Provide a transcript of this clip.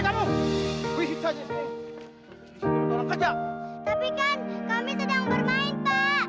tapi kan kami sedang bermain pak